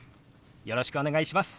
よろしくお願いします。